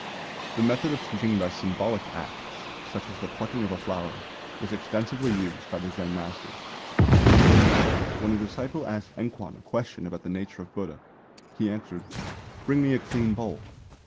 _ The method of teaching by symbolic acts (such as the plucking of a flower) was extensively used by the Zen masters. For example, when a disciple asked Enkwan a question about the nature of Buddha, he answered, "Bring me a clean bowl."